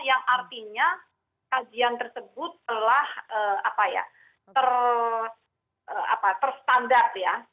yang artinya kajian tersebut telah terstandar ya